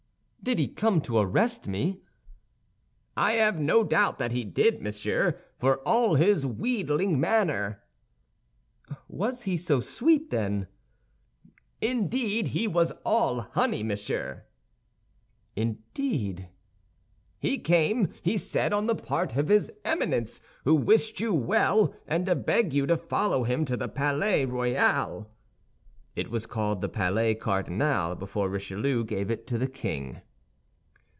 "Did he come to arrest me?" "I have no doubt that he did, monsieur, for all his wheedling manner." "Was he so sweet, then?" "Indeed, he was all honey, monsieur." "Indeed!" "He came, he said, on the part of his Eminence, who wished you well, and to beg you to follow him to the Palais Royal*." * It was called the Palais Cardinal before Richelieu gave it to the King.